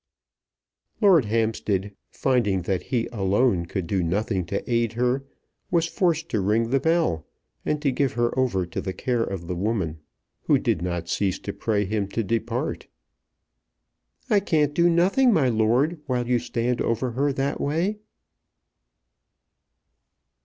Lord Hampstead, finding that he alone could do nothing to aid her, was forced to ring the bell, and to give her over to the care of the woman, who did not cease to pray him to depart. "I can't do nothing, my lord, while you stand over her that way."